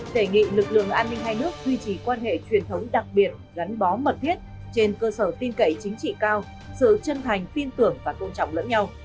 đề nghị lực lượng an ninh hai nước duy trì quan hệ truyền thống đặc biệt gắn bó mật thiết trên cơ sở tin cậy chính trị cao sự chân thành tin tưởng và tôn trọng lẫn nhau